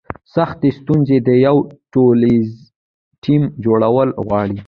سختې ستونزې د یو ټولنیز ټیم جوړول غواړي.